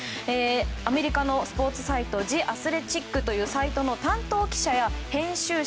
アメリカのスポーツサイトジ・アスレチックというサイトの担当記者や編集者